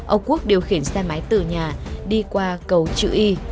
ông quốc điều khiển xe máy từ nhà đi qua cầu chữ y